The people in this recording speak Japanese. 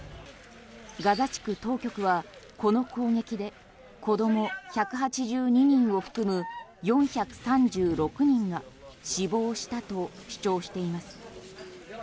ガザ地区当局はこの攻撃で子供１８２人を含む４３６人が死亡したと主張しています。